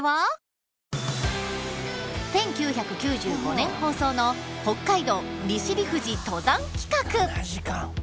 １９９５年放送の北海道利尻富士登山企画！